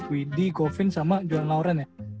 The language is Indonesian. widhi govind sama joan lauren ya